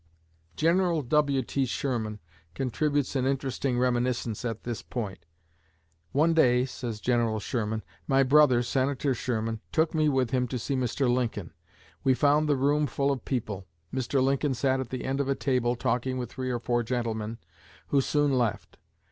General W.T. Sherman contributes an interesting reminiscence at this point. "One day," says General Sherman, "my brother, Senator Sherman, took me with him to see Mr. Lincoln. We found the room full of people. Mr. Lincoln sat at the end of a table, talking with three or four gentlemen, who soon left.